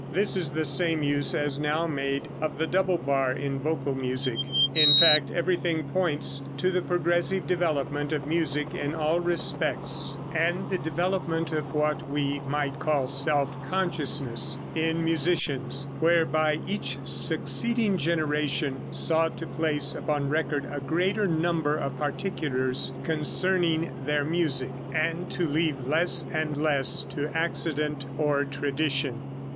This is the same use as now made of the double bar in vocal music. In fact, everything points to the progressive development of music in all respects, and the development of what we might call self consciousness in musicians, whereby each succeeding generation sought to place upon record a greater number of particulars concerning their music, and to leave less and less to accident or tradition.